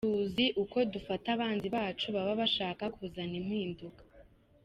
tuzi uko dufata abanzi bacu baba bashaka kuzana impinduka.